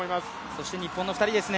そして日本の２人ですね。